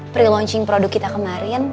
pre launching produk kita kemarin